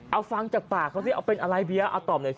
เอาฟังจากปากเขาสิเอาเป็นอะไรเบียเอาตอบหน่อยสิ